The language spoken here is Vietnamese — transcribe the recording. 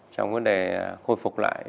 trong vấn đề khôi phục lại